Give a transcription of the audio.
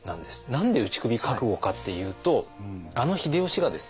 何で打ち首覚悟かっていうとあの秀吉がですね